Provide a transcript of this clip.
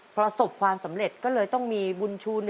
ประสบความสำเร็จก็เลยต้องมีบุญชู๑